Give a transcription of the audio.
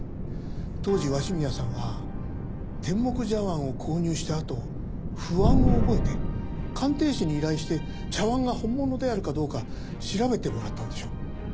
当時鷲宮さんは天目茶碗を購入したあと不安を覚えて鑑定士に依頼して茶碗が本物であるかどうか調べてもらったのでしょう。